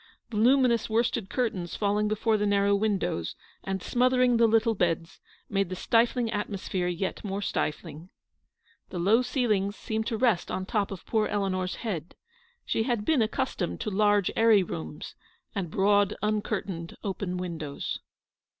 Voluminous worsted curtains falling before the narrow windows, and smothering the little beds, made the stifling atmosphere yet more stifling. The low ceilings seemed to rest on the top of poor Eleanor's head. She had been accustomed to large airy rooms, and broad uncurtained open windows.